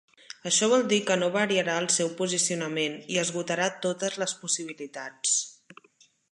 Això vol dir que no variarà el seu posicionament i esgotarà totes les possibilitats.